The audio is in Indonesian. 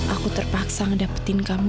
aku terpaksa ngedapetin kamu